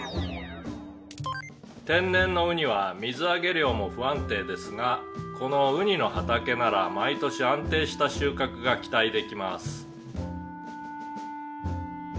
「天然のウニは水揚げ量も不安定ですがこのウニの畑なら毎年安定した収獲が期待できます」